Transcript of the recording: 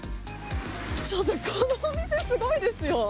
ちょっとこのお店、すごいですよ。